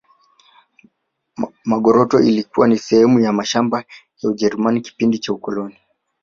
magoroto ilikuwa ni sehemu ya mashamba ya wajerumani kipindi cha ukoloni